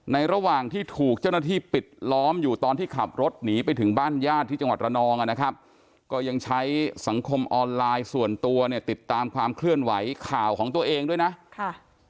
ระหว่างที่ถูกเจ้าหน้าที่ปิดล้อมอยู่ตอนที่ขับรถหนีไปถึงบ้านญาติที่จังหวัดระนองนะครับก็ยังใช้สังคมออนไลน์ส่วนตัวเนี่ยติดตามความเคลื่อนไหวข่าวของตัวเองด้วยนะค่ะ